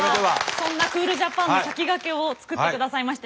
そんなクールジャパンのさきがけを作ってくださいました。